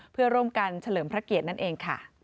เพื่อร่วมกันเฉลิมพระเกียรตินั่นเองค่ะ